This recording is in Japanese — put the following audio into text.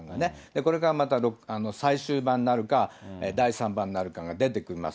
これからまた最終版になるか、第３版になるかが出てきます。